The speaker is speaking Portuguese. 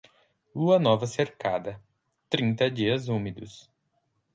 Lua nova cercada, trinta dias úmidos.